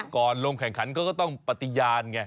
ก่อนลงแข่งขันเขาก็ต้องปฏิญาณไง